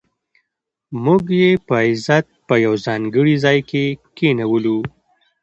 موږ یې په عزت په یو ځانګړي ځای کې کېنولو.